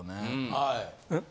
はい。